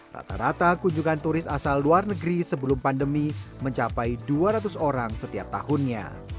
rata rata kunjungan turis asal luar negeri sebelum pandemi mencapai dua ratus orang setiap tahunnya